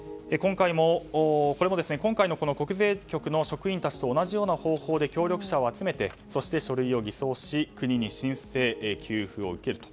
これも今回の国税局の職員たちと同じような方法で協力者を集めて書類を偽装し国に申請、給付を受けると。